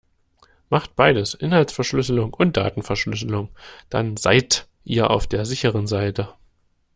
Macht beides, Inhaltsverschlüsselung und Datenverschlüsselung, dann seit ihr auf der sicheren Seite.